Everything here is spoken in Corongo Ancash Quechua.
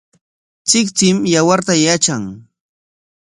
Tsiktsim yawarta yatran.